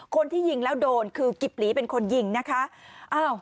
คนที่ยิงแล้วโดนคือกิบหลีเป็นคนยิงนะคะ